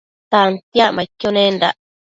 Tantiacmaidquio nendac